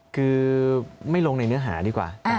คือไม่ลงในเนื้อหาดีกว่า